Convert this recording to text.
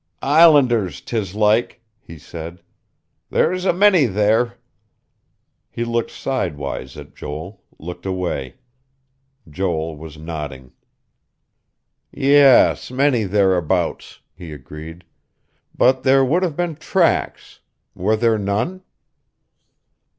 "Islanders, 'tis like," he said. "There's a many there." He looked sidewise at Joel, looked away. Joel was nodding. "Yes, many thereabouts," he agreed. "But there would have been tracks. Were there none?"